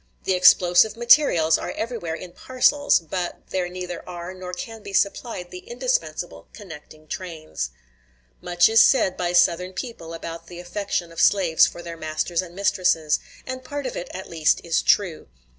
The explosive materials are everywhere in parcels; but there neither are nor can be supplied the indispensable connecting trains. Much is said by Southern people about the affection of slaves for their masters and mistresses; and a part of it, at least, is true.